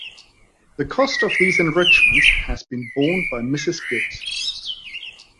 The cost of these enrichments has been borne by Mrs. Gibbs.